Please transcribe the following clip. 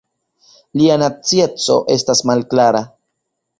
Lia nacieco estas malklara.